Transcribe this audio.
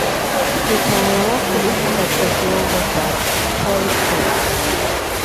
Utawala wake upo katika kiwango cha Pol Pot